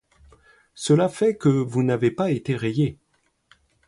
Cela fait que vous n’avez pas été rayé.